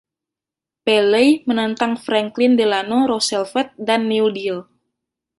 Pelley menentang Franklin Delano Roosevelt dan New Deal.